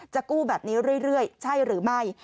กู้แบบนี้เรื่อยใช่หรือไม่